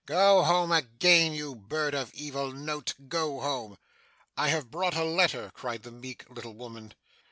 Go home again, you bird of evil note, go home!' 'I have brought a letter,' cried the meek little woman.